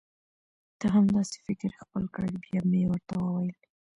ته هم دا سي فکر خپل کړه بیا مي ورته وویل: